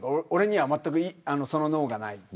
俺にはまったくその脳がない。